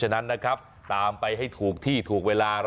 อารมณ์ของแม่ค้าอารมณ์การเสิรฟนั่งอยู่ตรงกลาง